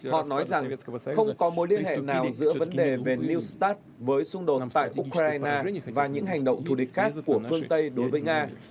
họ nói rằng không có mối liên hệ nào giữa vấn đề về new start với xung đột tại ukraine và những hành động thù địch khác của phương tây đối với nga